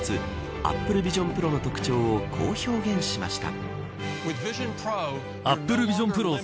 ＡｐｐｌｅＶｉｓｉｏｎＰｒｏの特徴をこう表現しました。